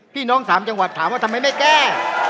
พี่น้องสามจังหวัดถามว่าทำไมไม่แก้